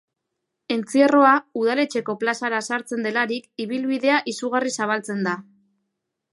Entzierroa Udaletxeko plazara sartzen delarik, ibilbidea izugarri zabaltzen da.